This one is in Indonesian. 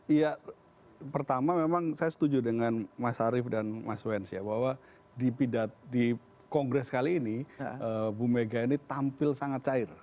iya pertama memang saya setuju dengan mas arief dan mas wens ya bahwa di kongres kali ini bu mega ini tampil sangat cair